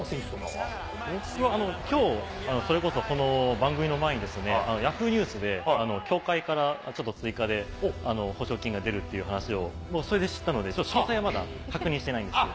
きょう、それこそ、この番組の前に、ヤフーニュースで協会からちょっと追加で報奨金が出るという話を、それで知ったので、詳細はまだ確認してないんですけど。